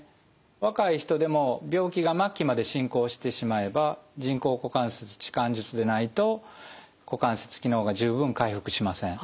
若い人でも病気が末期まで進行してしまえば人工股関節置換術でないと股関節機能が十分回復しません。